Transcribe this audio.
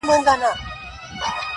موږ یې په لمبه کي د زړه زور وینو -